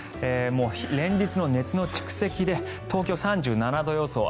連日の熱の蓄積で東京は３７度予想。